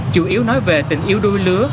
chủ yếu nói về tình yêu đuôi lứa